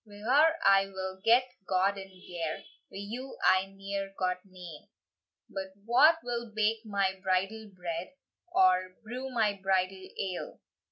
Wi her I will get gowd and gear; Wi you I neer got nane. "But wha will bake my bridal bread, Or brew my bridal ale?